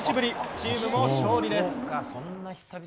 チームも勝利です。